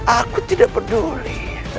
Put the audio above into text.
aku tidak peduli